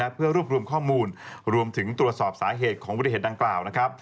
เพื่อรวบรวมข้อมูลรวมถึงตรวจสอบสาเหตุของบริเหตุดังกล่าวนะครับ